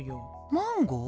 マンゴー？